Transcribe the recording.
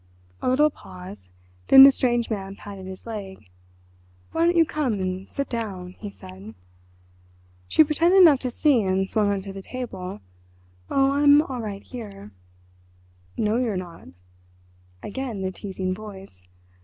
A little pause—then the strange man patted his leg. "Why don't you come and sit down?" he said. She pretended not to see and swung on to the table. "Oh, I'm all right here." "No, you're not"—again the teasing voice.